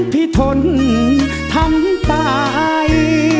พี่ทนทำตาย